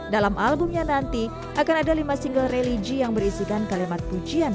dalam albumnya nanti akan ada lima single religi yang berisikan kalimat pujian